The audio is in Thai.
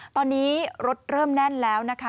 ตอนนี้รถเริ่มแน่นแล้วนะคะ